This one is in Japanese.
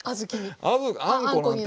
あんこなんて。